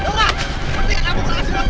aduh kasihan banget orang